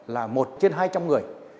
là một trên hai trăm linh người